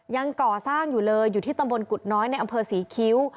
ยังก่อสร้างอยู่เลยอยู่ที่ตำบลกุฎน้อยในอำเภอศรีคิ้ว